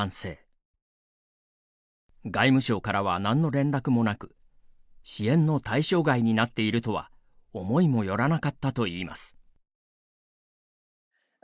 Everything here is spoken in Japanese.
外務省からは何の連絡もなく支援の対象外になっているとは思いもよらなかったといいます。